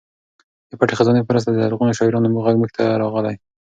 د پټې خزانې په مرسته د لرغونو شاعرانو غږ موږ ته راغلی.